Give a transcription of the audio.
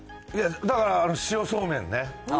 だから塩そうめんね。